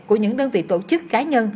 của những đơn vị tổ chức cá nhân